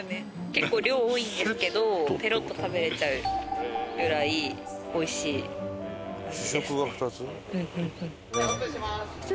結構量多いんですけどペロッと食べれちゃうぐらいおいしいですね。